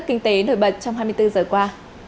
kinh tế của quốc gia hai nghìn hai mươi hai